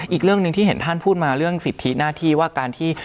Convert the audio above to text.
อีกเรื่องหนึ่งที่เห็นท่านพูดมาเรื่องสิทธิหน้าที่ว่าการที่